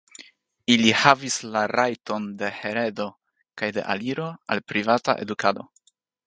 Ili havis la rajton de heredo kaj de aliro al privata edukado!